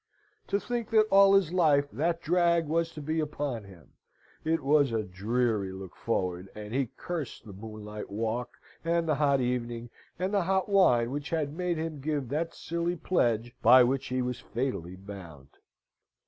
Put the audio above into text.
To think that all his life, that drag was to be upon him! It was a dreary look forward and he cursed the moonlight walk, and the hot evening, and the hot wine which had made him give that silly pledge by which he was fatally bound.